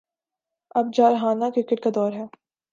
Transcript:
اب جارحانہ کرکٹ کا دور ہے۔